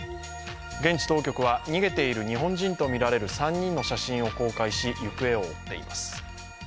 現地当局は、逃げている日本人とみられる３人の写真を公開し、行方を追っています。